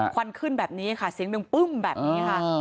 ควันขึ้นแบบนี้ค่ะเสียงหนึ่งปึ้มแบบนี้ค่ะ